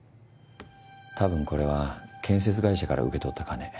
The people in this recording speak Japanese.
多分これは建設会社から受け取った金。